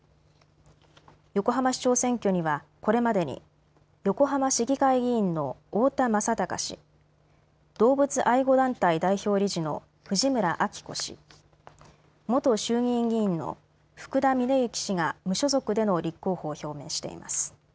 横浜市長選挙にはこれまでに横浜市議会議員の太田正孝氏動物愛護団体代表理事の藤村晃子氏元衆議院議員の福田峰之氏が無所属での立候補を表明しています。